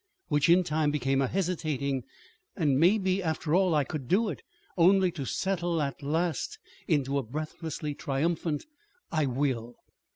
which in time became a hesitating "And maybe, after all, I could do it," only to settle at last into a breathlessly triumphant "I will!"